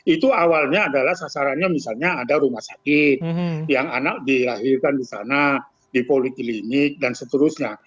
itu awalnya adalah sasarannya misalnya ada rumah sakit yang anak dilahirkan di sana di poliklinik dan seterusnya